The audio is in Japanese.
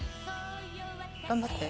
頑張って。